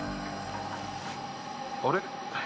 あれ？